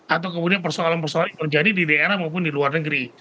atau kemudian persoalan persoalan yang terjadi di daerah maupun di luar negeri